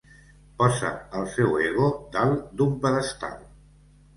Posà el seu ego dalt d'un pedestal.